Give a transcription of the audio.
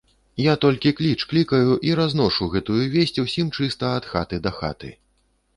Я толькі кліч клікаю і разношу гэтую весць усім чыста ад хаты да хаты.